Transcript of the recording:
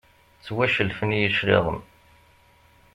Ttwacellfen-iyi cclaɣem.